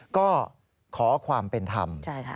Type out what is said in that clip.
ก็ขอความเป็นธรรม